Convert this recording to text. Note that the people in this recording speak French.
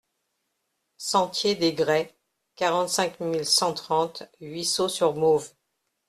Sentier des Grès, quarante-cinq mille cent trente Huisseau-sur-Mauves